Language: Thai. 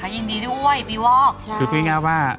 ยินดีด้วยปีวอก